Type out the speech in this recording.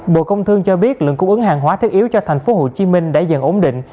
bộ công thương cho biết lượng cung ứng hàng hóa thiết yếu cho tp hcm đã dần ổn định